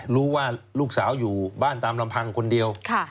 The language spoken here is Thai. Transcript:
รู้ว่าลูกสาวอยู่บ้านตามลำพังคนเดียว